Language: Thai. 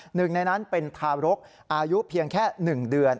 หนึ่งในนั้นเป็นทารกอายุเพียงแค่๑เดือน